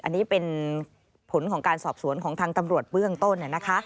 อันนี้เป็นผลของการสอบสวนของทางตำรวจเบื้องต้น